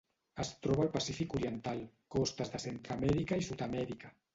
Es troba al Pacífic oriental: costes de Centreamèrica i Sud-amèrica.